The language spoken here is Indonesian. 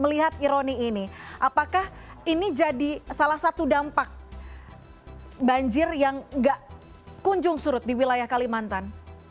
melihat ironi ini apakah ini jadi salah satu dampak banjir yang nggak kunjung surut di wilayah kalimantan